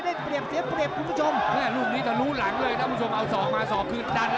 แต่มีเด็กติดนิดหนึ่ง